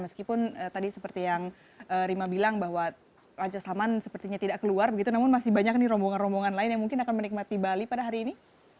meskipun tadi seperti yang rima bilang bahwa raja salman sepertinya tidak keluar begitu namun masih banyak nih rombongan rombongan lain yang mungkin akan menikmati bali pada hari ini